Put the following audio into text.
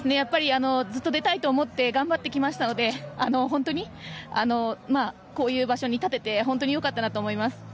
ずっと出たいと思って頑張ってきましたのでこういう場所に立てて本当によかったなと思います。